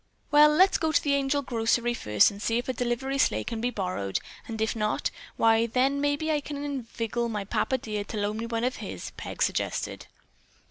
"Well, let's go to the Angel grocery first and see if a delivery sleigh can be borrowed, and if not, why then maybe I can inveigle my papa dear to loan me one of his," Peg suggested.